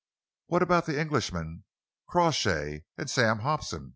"What about the Englishman, Crawshay, and Sam Hobson?"